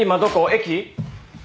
駅？